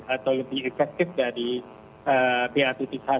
atau lebih efektif dari ba satu